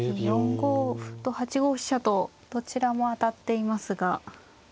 ４五歩と８五飛車とどちらも当たっていますが。